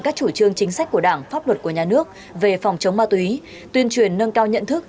các chủ trương chính sách của đảng pháp luật của nhà nước về phòng chống ma túy tuyên truyền nâng cao nhận thức